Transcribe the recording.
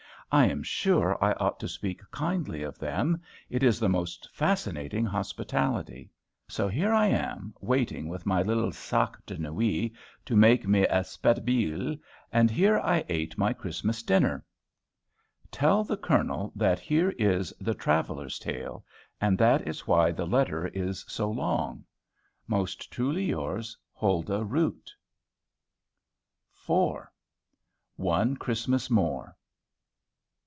I am sure I ought to speak kindly of them. It is the most fascinating hospitality. So here am I, waiting, with my little sac de nuit to make me aspettabile; and here I ate my Christmas dinner. Tell the Colonel that here is "THE TRAVELLER'S TALE;" and that is why the letter is so long. Most truly yours, HULDAH ROOT. IV. ONE CHRISTMAS MORE.